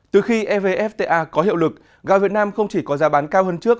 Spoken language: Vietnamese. từ khi evfta có hiệu lực gạo việt nam không chỉ có giá bán cao hơn trước